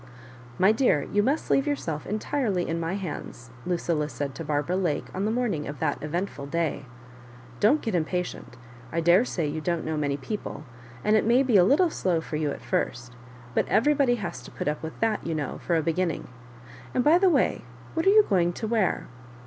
" My dear, you must leave yourself entirely in my hands," Lucilla said to Barbara Lake on the morning of that eventful day. Don't get impa tient. I daresay you don't know many people, and it may be a little slow for you at first ; but everybody has to put up with that, you know, for a beginning. And, by the by, what are you go ing to wear